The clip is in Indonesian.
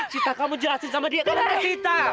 sita kamu jelasin sama dia kamu bukan sita